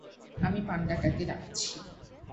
আমি পান্ডাটাকে রাখছি।